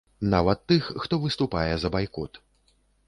Нават тых, хто выступае за байкот.